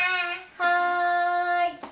はい。